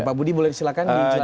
pabudi boleh silakan menjelaskan